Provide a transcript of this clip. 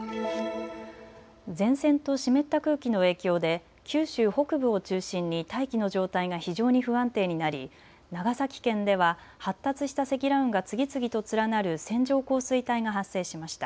前線と湿った空気の影響で九州北部を中心に大気の状態が非常に不安定になり長崎県では発達した積乱雲が次々と連なる線状降水帯が発生しました。